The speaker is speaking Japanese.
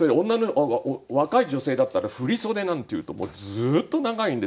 若い女性だったら振袖なんていうとずっと長いんですね。